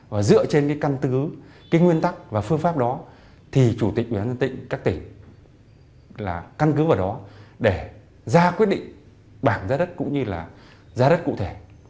và dựa trên cái căn cứ cái nguyên tắc và phương pháp đó thì chủ tịch ubnd các tỉnh là căn cứ vào đó để ra quyết định bảng giá đất cũng như là giá đất cụ thể